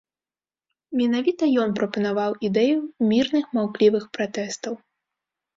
Менавіта ён прапанаваў ідэю мірных маўклівых пратэстаў.